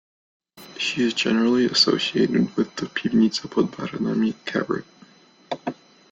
She is generally associated with the Piwnica pod Baranami cabaret.